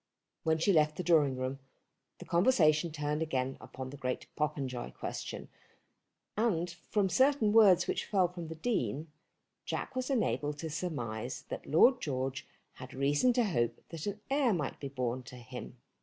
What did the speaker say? When she left the drawing room, the conversation turned again upon the great Popenjoy question, and from certain words which fell from the Dean, Jack was enabled to surmise that Lord George had reason to hope that an heir might be born to him.